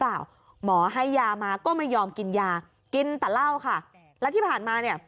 หมอให้ยามาก็ไม่ยอมกินยากินแต่เหล้าค่ะแล้วที่ผ่านมาเนี่ย